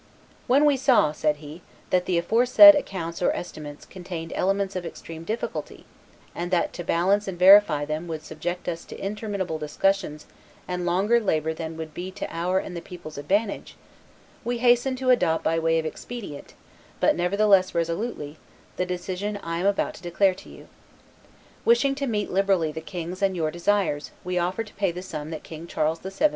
"When we saw," said he, "that the aforesaid accounts or estimates contained elements of extreme difficulty, and that to balance and verify them would subject us to interminable discussions and longer labor than would be to our and the people's advantage, we hastened to adopt by way of expedient, but nevertheless resolutely, the decision I am about to declare to you. ... Wishing to meet liberally the king's and your desires, we offer to pay the sum that King Charles VII.